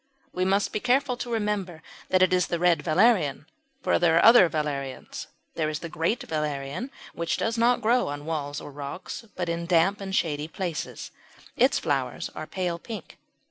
We must be careful to remember that it is the Red Valerian, for there are other valerians. There is the Great Valerian which does not grow on walls or rocks, but in damp and shady places; its flowers are pale pink.